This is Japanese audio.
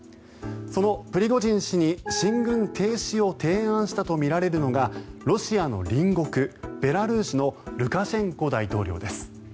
そのプリゴジン氏に進軍停止を提案したとみられるのがロシアの隣国、ベラルーシのルカシェンコ大統領です。